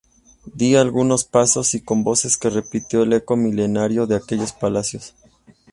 di algunos pasos, y con voces que repitió el eco milenario de aquellos palacios